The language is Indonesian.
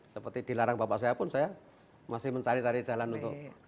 seperti dilarang bapak saya pun saya masih mencari cari jalan untuk